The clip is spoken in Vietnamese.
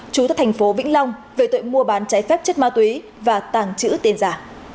chú tại thành phố vĩnh long về tội mua bán trái phép chất ma túy và tàng trữ tiền giả